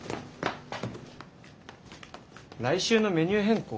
・来週のメニュー変更？